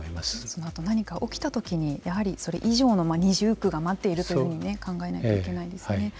そのあと何か起きたときにやはりそれ以上の二重苦が待っているというふうに考えないといけないんですね。